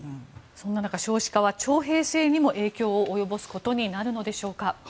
そんな中、少子化は徴兵制にも影響性を及ぼすことになるのでしょうか。